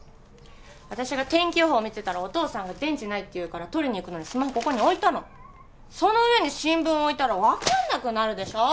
私が天気予報見てたらお父さんが電池ないっていうから取りに行くのにスマホここに置いたのその上に新聞置いたら分かんなくなるでしょ？